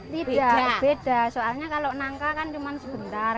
tidak beda soalnya kalau nangka kan cuma sebentar